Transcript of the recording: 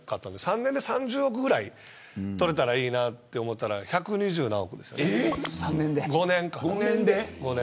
３年で３０億ぐらい取れたらいいなと思っていたら５年で１２０億ぐらい。